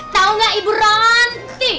tau gak ibu ranti